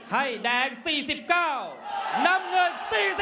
ให้แดง๔๙น้ำเงิน๔๐